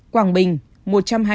quảng bình một trăm hai mươi sáu